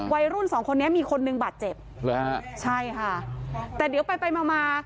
วัยรุ่นสองคนนี้มีคนนึงบาดเจ็บใช่ค่ะแต่เดี๋ยวไปมา